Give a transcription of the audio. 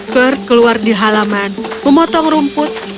gerd keluar di halaman memotong rumput